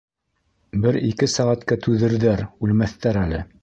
Бер-ике сәғәткә түҙерҙәр, үлмәҫтәр әле.